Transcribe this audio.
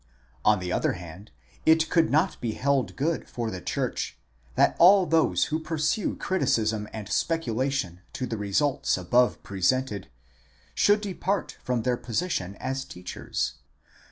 On the other hand, it could not be held good for the church, that all those who pursue criticism and speculation to the results above presented, should depart from their position as teachers.